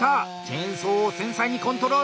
チェーンソーを繊細にコントロール！